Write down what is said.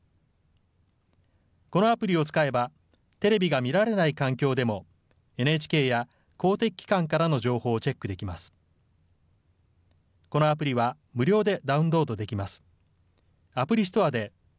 このアプリを使えば、テレビが見られない環境でもＮＨＫや公的機関からの情報をチェックできます。